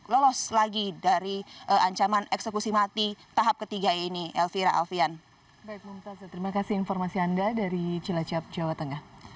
lolos lagi dari ancaman eksekusi mati tahap ketiga ini elvira alfian